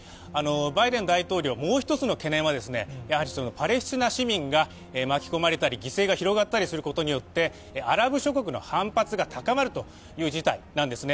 バイデン大統領、もう一つの懸念はパレスチナ市民が巻き込まれたり犠牲が広がったりすることによってアラブ諸国の反発が強まるという事態なんですね。